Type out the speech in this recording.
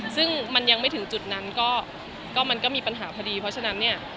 ซึ่งมันยังไม่ถึงจุดนั้นก็มันก็มีปัญหาพอดีเพราะฉะนั้นเนี่ย